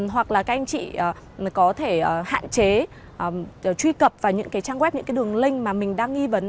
hoặc là các anh chị có thể hạn chế truy cập vào những cái trang web những cái đường link mà mình đang nghi vấn